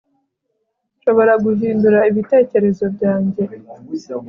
Nshobora guhindura ibitekerezo byanjye